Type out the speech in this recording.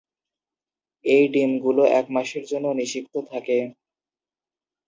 এই ডিমগুলো এক মাসের জন্য নিষিক্ত থাকে।